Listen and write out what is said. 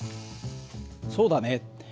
そうだね。